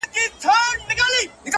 په دغه خپل وطن كي خپل ورورك”